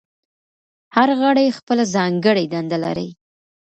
هر غړی خپله ځانګړې دنده لري.